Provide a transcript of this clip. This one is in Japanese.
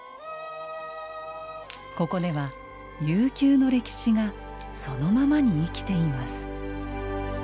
ここでは、悠久の歴史がそのままに生きています。